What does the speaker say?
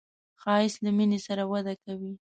ښایست له مینې سره وده کوي